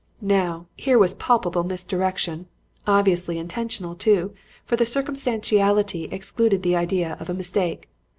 "Now, here was a palpable misdirection. Obviously intentional, too, for the circumstantiality excluded the idea of a mistake.